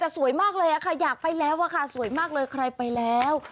แต่สวยมากเลยค่ะอยากไปแล้วอะค่ะสวยมากเลยใครไปแล้ว